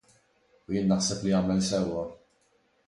U jien naħseb li għamel sewwa.